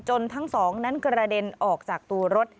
ทั้งสองนั้นกระเด็นออกจากตัวรถ